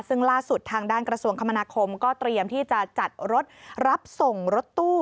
ซึ่งล่าสุดทางด้านกระทรวงคมนาคมก็เตรียมที่จะจัดรถรับส่งรถตู้